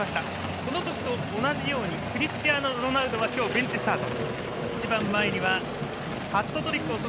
その時と同じようにクリスチアーノ・ロナウドは今日、ベンチスタート。